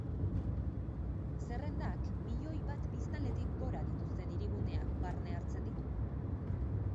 Zerrendak milioi bat biztanletik gora dituzten hiriguneak barne hartzen ditu.